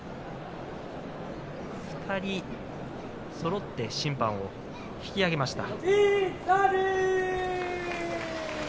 ２人そろって審判を引き上げました。